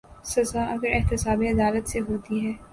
سزا اگر احتساب عدالت سے ہوتی ہے۔